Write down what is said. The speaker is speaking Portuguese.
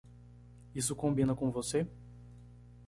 Isso combina com você?